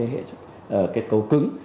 hệ cấu cứng